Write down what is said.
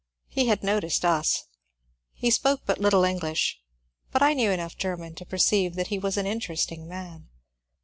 He had noticed us. He spoke but little English, but I knew enough German to perceive that he was an interesting man.